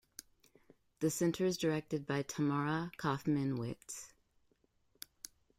The Center is directed by Tamara Cofman Wittes.